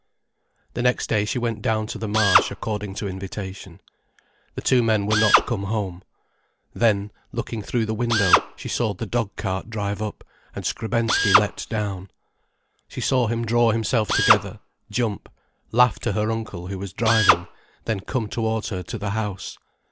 The next day she went down to the Marsh according to invitation. The two men were not come home. Then, looking through the window, she saw the dogcart drive up, and Skrebensky leapt down. She saw him draw himself together, jump, laugh to her uncle, who was driving, then come towards her to the house.